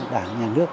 đảng nhà nước